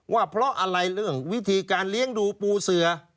ว่าเพราะอะไรเรื่องวิธีการเลี้ยงดูปูเสือ